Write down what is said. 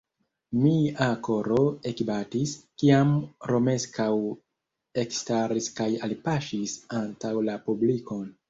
Mia koro ekbatis, kiam Romeskaŭ ekstaris kaj alpaŝis antaŭ la publikon.